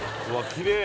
きれい！